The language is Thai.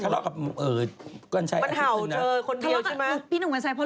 นี่รูปกันชายก่อน